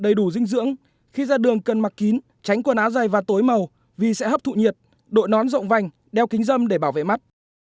để đủ dinh dưỡng khi ra đường cần mặc kín tránh quần áo dày và tối màu vì sẽ hấp thụ nhiệt đội nón rộng vành đeo kính dâm để bảo vệ mắt